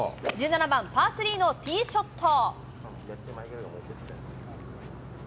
１７番パー３のティーショット。